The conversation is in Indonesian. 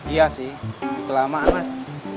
iya sih kelamaan mas